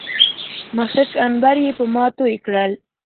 مښک، عنبر يې په ما توى کړل